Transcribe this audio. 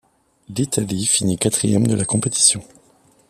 L'Italie finit quatrième de la compétition.